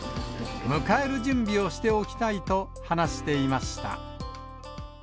迎える準備をしておきたいと話していました。